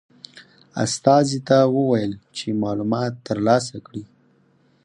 استازي ته وویل چې معلومات ترلاسه کړي.